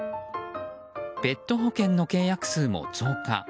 ペット保険の契約数も増加。